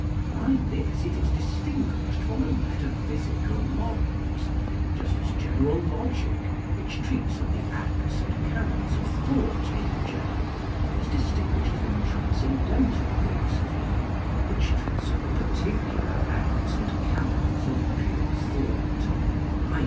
By this it is distinguished from a metaphysic of morals, just as general logic, which treats of the acts and canons of thought in general, is distinguished from transcendental philosophy, which treats of the particular acts and canons of pure thought, i.